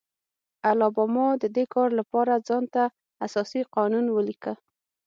الاباما د دې کار لپاره ځان ته اساسي قانون ولیکه.